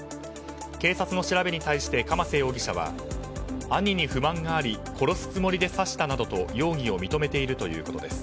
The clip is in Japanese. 警察の調べに対して鎌瀬容疑者は兄に不満があり殺すつもりで刺したなどと容疑を認めているということです。